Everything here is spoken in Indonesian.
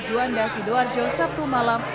juanda sidoarjo sabtu malam